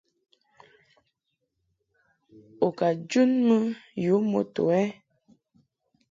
U ka jun mɨ yu moto ɛ ?